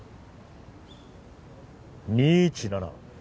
２１７？